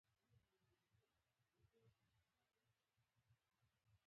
غریب د دنیا سوځېدلی رنګ دی